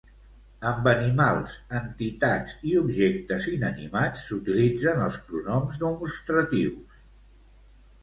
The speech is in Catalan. Amb animals, entitats i objectes inanimats s'utilitzen els pronoms demostratius.